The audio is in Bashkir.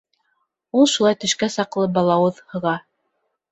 Ул шулай төшкә саҡлы балауыҙ һыға.